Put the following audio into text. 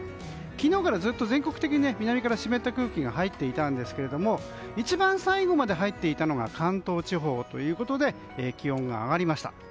昨日からずっと全国的に南から湿った空気が入っていたんですが一番最後まで入っていたのが関東地方ということで気温が上がりました。